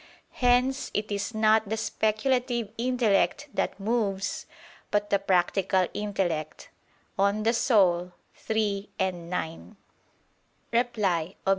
Hence it is not the speculative intellect that moves, but the practical intellect (De Anima iii, 9). Reply Obj.